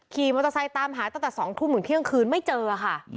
ขี่มอเตอร์ไซค์ตามหาตั้งแต่๒ทุ่มถึงเที่ยงคืนไม่เจอค่ะ